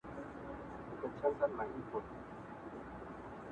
چي د خلکو یې لوټ کړي وه مالونه-